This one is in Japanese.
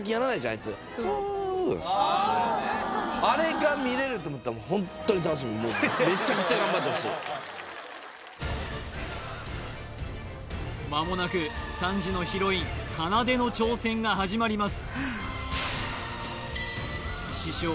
あいつあれが見れると思ったらめちゃくちゃ頑張ってほしいまもなく３時のヒロインかなでの挑戦が始まります